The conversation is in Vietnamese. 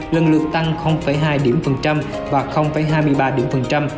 lần lượt tăng hai điểm phần trăm và hai mươi ba điểm phần trăm